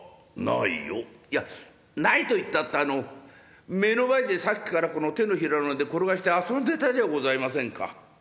「いやないと言ったってあの目の前でさっきからこの手のひらの上で転がして遊んでたじゃございませんか。